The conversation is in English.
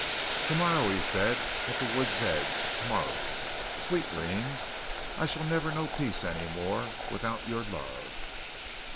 "Tomorrow," he said, "at the wood's edge. Tomorrow. Sweet dreams. I shall never know peace any more without your love."